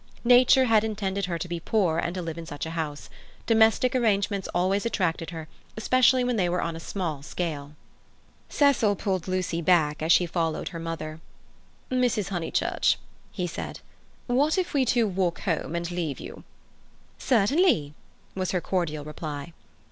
Nature had intended her to be poor and to live in such a house. Domestic arrangements always attracted her, especially when they were on a small scale. Cecil pulled Lucy back as she followed her mother. "Mrs. Honeychurch," he said, "what if we two walk home and leave you?" "Certainly!" was her cordial reply.